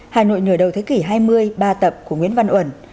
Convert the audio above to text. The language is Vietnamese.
hà nội nửa đầu thế kỷ hai mươi ba tập của nguyễn văn uẩn